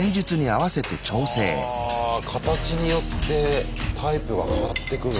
あ形によってタイプが変わってくるんだ。